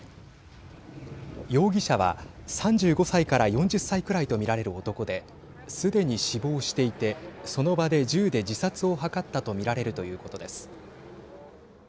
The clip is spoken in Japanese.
容疑者は、３５歳から４０歳くらいとみられる男ですでに死亡していてその場で銃で自殺を図ったとみられるということです。